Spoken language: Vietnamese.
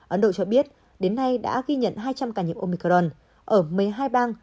ấn độ cho biết đến nay đã ghi nhận hai trăm linh ca nhiễm omicron ở một mươi hai bang